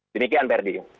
demikian pak herdi